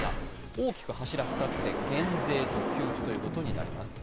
大きく柱２つで減税と給付ということになります。